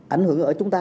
ảnh hưởng ở chúng ta